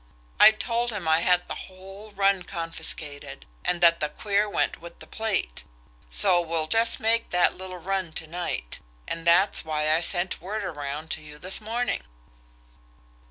I told him I had the whole run confiscated, and that the queer went with the plate, so we'll just make that little run to night that's why I sent word around to you this morning."